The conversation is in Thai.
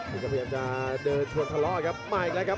อัคลาเดชจะเดินช่วงทะเลาะอัคลาเดชมาอีกแล้วครับ